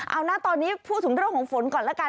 เอานะตอนนี้พูดถึงเรื่องของฝนก่อนละกัน